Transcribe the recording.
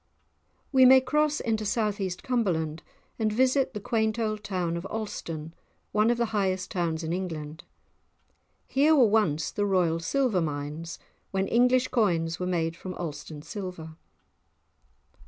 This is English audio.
We may cross into south east Cumberland and visit the quaint old town of Alston, one of the highest towns in England. Here were once the royal silver mines, when English coins were made from Alston silver.